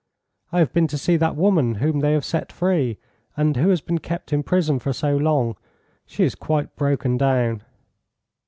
"I have been to see that woman whom they have set free, and who has been kept in prison for so long; she is quite broken down."